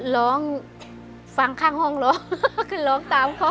ร้องฟังข้างห้องร้องคือร้องตามเขา